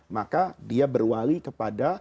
maka dia berwali kepada